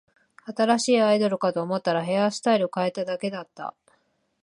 新しいアイドルかと思ったら、ヘアスタイル変えただけだった